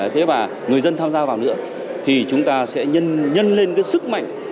thế và người dân tham gia vào nữa thì chúng ta sẽ nhân lên cái sức mạnh